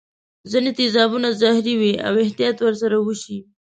ځیني تیزابونه زهري وي او احتیاط ور سره وشي.